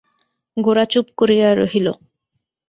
গোরা চুপ করিয়া রহিল।